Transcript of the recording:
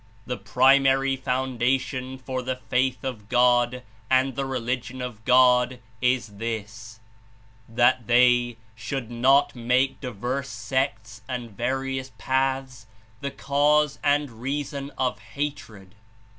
The primary foundation for the faith of God and the religion of God is this, that they should not make diverse sects and vari ous paths the cause and reason of hatred."